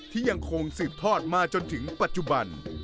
ที่ยังคงสืบทอดมาจนถึงปัจจุบัน